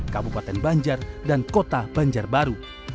kabupaten banjar dan kota banjarbaru